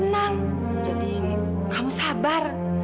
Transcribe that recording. maksud kamu udah